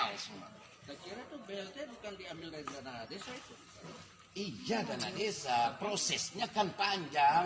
hai sejarah itu belnya bukan diambil dari dana desa itu ija dana desa prosesnya kan panjang